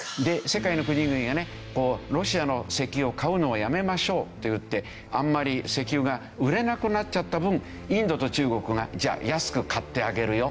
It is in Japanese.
世界の国々がねロシアの石油を買うのをやめましょうと言ってあんまり石油が売れなくなっちゃった分インドと中国が「じゃあ安く買ってあげるよ」。